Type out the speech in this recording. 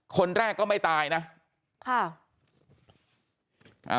คนแรกก็ไม่ตายนะค่ะ